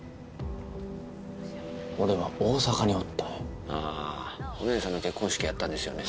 俺は大阪におったんやあお姉さんの結婚式やったんですよね